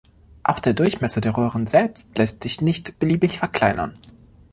Auch der Durchmesser der Röhren selbst lässt sich nicht beliebig verkleinern.